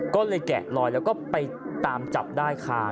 ก็เลยแกะลอยแล้วก็ไปตามจับได้ค่ะ